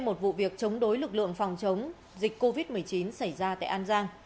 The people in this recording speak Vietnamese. một vụ việc chống đối lực lượng phòng chống dịch covid một mươi chín xảy ra tại an giang